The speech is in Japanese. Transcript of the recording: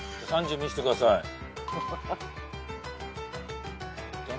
３０見せてください。